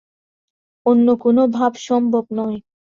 অন্য কোন ভাব সম্ভব নয়।